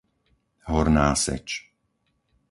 Horná Seč